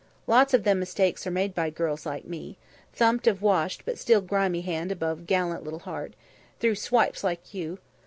Lots of them mistakes are made by girls like me" thumping of washed but still grimy hand above gallant little heart "through swipes like you.